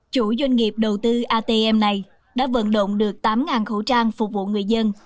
chủ doanh nghiệp đầu tư atm này đã vận động được tám khẩu trang phục vụ người dân